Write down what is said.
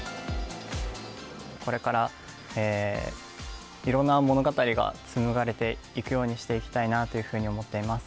これからいろんな物語が紡がれていくようにしていきたいなというふうに思っています。